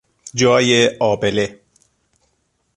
جای آبله